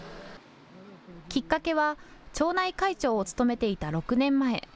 きっかけは町内会長を務めていた６年前。